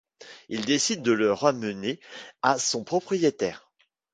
Il décide de le ramener à son propriétaire.